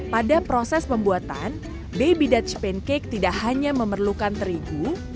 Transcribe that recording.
pada proses pembuatan baby dutch pancake tidak hanya memerlukan terigu